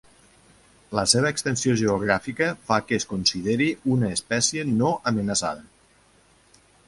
La seva extensió geogràfica fa que es consideri una espècie no amenaçada.